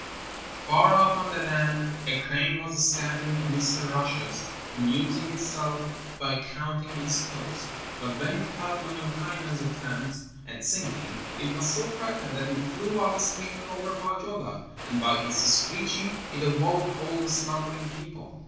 Far off on the land a crane was standing amidst the rushes, amusing itself by counting its toes. But when it heard Lemminkainen's attempts at singing, it was so frightened that it flew off screaming over Pohjola, and by its screeching it awoke all the slumbering people.